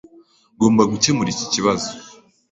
Ngomba gukemura iki kibazo.